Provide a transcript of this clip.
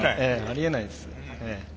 ありえないですええ。